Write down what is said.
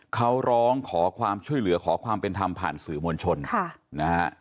เขาร้องขอความช่วยเหลือขอความเป็นธรรมผ่านสื่อมวลชนค่ะนะฮะ